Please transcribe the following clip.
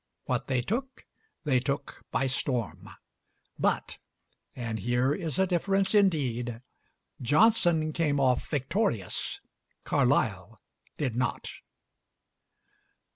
What they took they took by storm. But and here is a difference indeed Johnson came off victorious, Carlyle did not.